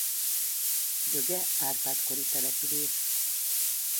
Döge Árpád-kori település.